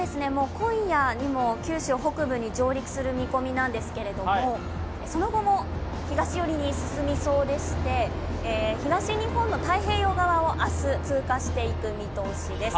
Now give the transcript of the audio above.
今夜にも九州北部に上陸する見込みなんですけれどもその後も東寄りに進みそうでして、東日本の太平洋側を明日、通過していく見通しです。